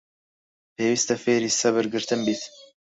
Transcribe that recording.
پێویستە فێری سەبرگرتن بیت.